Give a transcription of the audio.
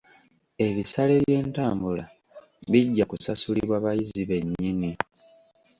Ebisale by'entambula bijja kusasulibwa bayizi bennyini.